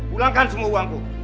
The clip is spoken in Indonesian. pulangkan semua uangku